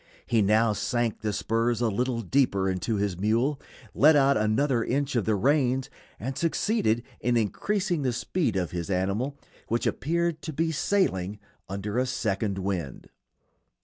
He now sank the spurs a little deeper into his mule, let out another inch of the reins, and succeeded in increasing the speed of his animal, which appeared to be sailing under a second wind.